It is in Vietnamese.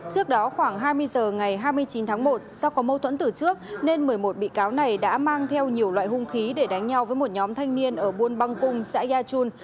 trước đó khoảng hai mươi h ngày hai mươi chín tháng một do có mâu thuẫn từ trước nên một mươi một bị cáo này đã mang theo nhiều loại hung khí để đánh nhau với một nhóm thanh niên ở buôn băng cung xã ya chun